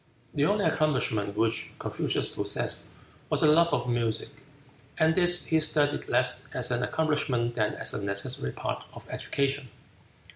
The only accomplishment which Confucius possessed was a love of music, and this he studied less as an accomplishment than as a necessary part of education.